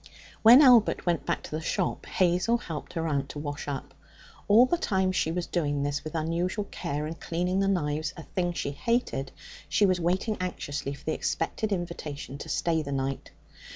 When Albert went back to the shop, Hazel helped her aunt to wash up. All the time she was doing this, with unusual care, and cleaning the knives a thing she hated she was waiting anxiously for the expected invitation to stay the night.